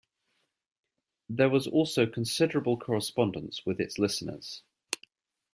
There was also considerable correspondence with its listeners.